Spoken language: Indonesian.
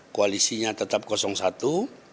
koalisinya tetap kosong satu